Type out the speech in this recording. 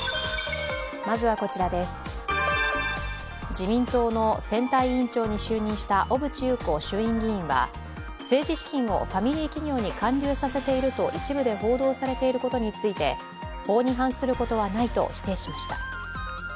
自民党の選対委員長に就任した小渕優子衆院議員は政治資金をファミリー企業に還流させていると一部で報道されていることについて法に反することはないと否定しました。